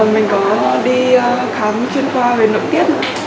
mình có đi khám chuyên khoa về lượng tiết